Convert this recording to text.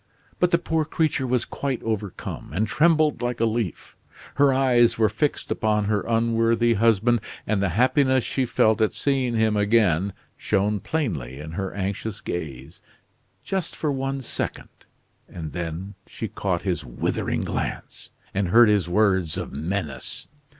But the poor creature was quite overcome, and trembled like a leaf. Her eyes were fixed upon her unworthy husband, and the happiness she felt at seeing him again shone plainly in her anxious gaze. Just for one second; and then she caught his withering glance and heard his words of menace.